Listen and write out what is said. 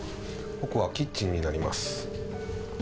奥はキッチンになります。